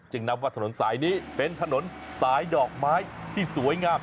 นับว่าถนนสายนี้เป็นถนนสายดอกไม้ที่สวยงาม